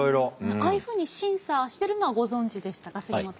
ああいうふうに審査しているのはご存じでしたか杉本さん。